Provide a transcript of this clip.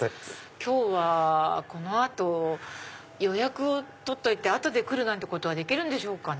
今日はこの後予約を取って後で来るなんてことできるんでしょうかね？